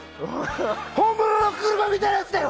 本物の車みたいなやつだよ！